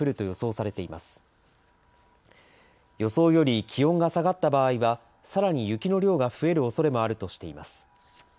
予想より気温が下がった場合は、さらに雪の量が増えるおそれもあるとしています。